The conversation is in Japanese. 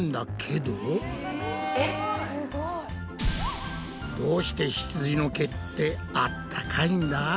どうしてひつじの毛ってあったかいんだ！？